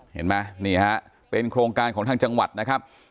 เห็นไหมนี่ฮะเป็นโครงการของทางจังหวัดนะครับ